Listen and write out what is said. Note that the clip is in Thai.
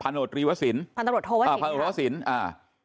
พันโรตรีวสินพันตบรวจโทรวสินอ่าพันตบรวจโทรวสินอ่า